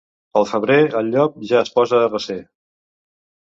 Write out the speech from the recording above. Al febrer el llop ja es posa a recer.